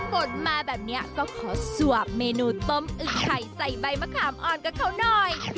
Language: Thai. ฝนมาแบบนี้ก็ขอสวบเมนูต้มอึกไข่ใส่ใบมะขามอ่อนกับเขาหน่อย